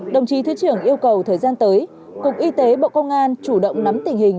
đồng chí thứ trưởng yêu cầu thời gian tới cục y tế bộ công an chủ động nắm tình hình